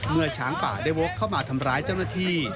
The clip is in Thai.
ช้างป่าได้วกเข้ามาทำร้ายเจ้าหน้าที่